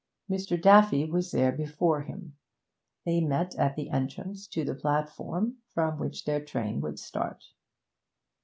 Mr. Daffy was there before him; they met at the entrance to the platform from which their train would start.